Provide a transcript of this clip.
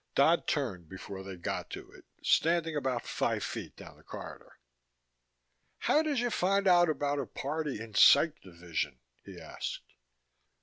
Dodd turned before they got to it, standing about five feet down the corridor. "How did you find out about a party in Psych division?" he asked.